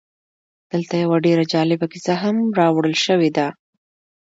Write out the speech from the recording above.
دلته یوه ډېره جالبه کیسه هم راوړل شوې ده